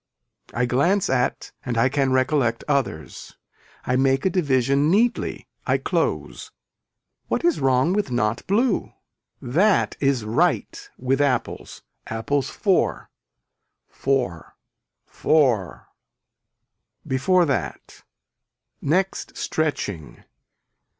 I glance at and I can recollect others. I make a division neatly, I close. What is wrong with not blue. That is right with apples. Apples four. For. Fore. Before that. Next stretching.